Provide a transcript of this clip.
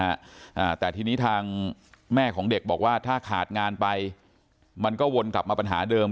อ่าแต่ทีนี้ทางแม่ของเด็กบอกว่าถ้าขาดงานไปมันก็วนกลับมาปัญหาเดิม